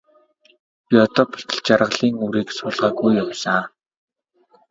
Би одоо болтол жаргалын үрийг суулгаагүй явсан.